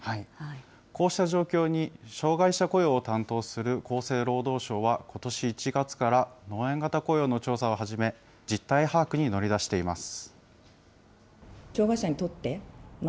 こうした状況に、障害者雇用を担当する厚生労働省は、ことし１月から農園型雇用の調査を始め、実態把握に乗り出しています。